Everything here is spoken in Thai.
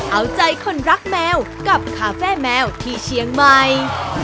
เอาใจคนรักแมวกับคาเฟ่แมวที่เชียงใหม่